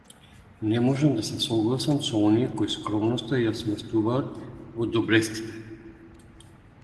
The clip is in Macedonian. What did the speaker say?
Не можам да се согласам со оние кои скромноста ја сместуваат во доблестите.